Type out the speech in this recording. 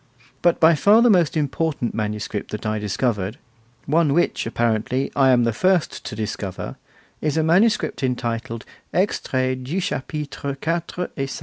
But by far the most important manuscript that I discovered, one which, apparently, I am the first to discover, is a manuscript entitled 'Extrait du Chapitre 4 et 5.